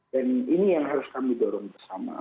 dan ini yang harus kami dorong bersama